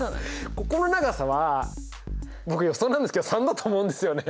ここの長さは僕予想なんですけど３だと思うんですよね。